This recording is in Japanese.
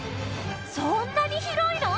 そんなに広いの？